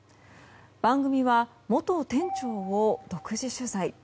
番組は、元店長を独自取材。